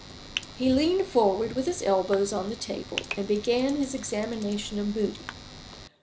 He leaned forward with his elbows on the table, and began his examination of Moody.